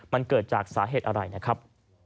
มันเกิดจากสาเหตุอะไรนะครับ